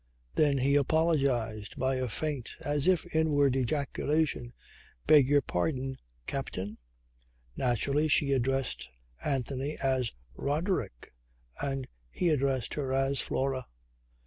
Then he apologized by a faint as if inward ejaculation "Beg your pardon, Captain." Naturally she addressed Anthony as Roderick and he addressed her as Flora.